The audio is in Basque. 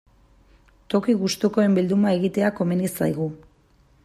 Toki gustukoen bilduma egitea komeni zaigu.